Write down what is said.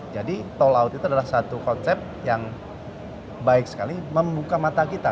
jadi toll out itu adalah satu konsep yang baik sekali membuka mata kita